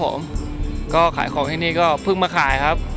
ปปอร์นะครับก็ขายของนี้ก็เพิ่งมาขายครับ